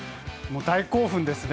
大興奮ですね。